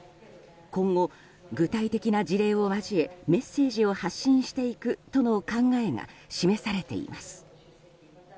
今後、具体的な事例を交えメッセージを発信していくとの考えが示されています。